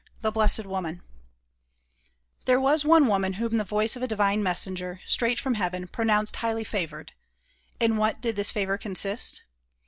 IV THE BLESSED WOMAN There was one woman whom the voice of a divine Messenger, straight from heaven, pronounced highly favored. In what did this favor consist?